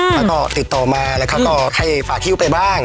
แล้วก็ติดต่อมาแล้วเขาก็ให้ฝากฮิ้วไปบ้าง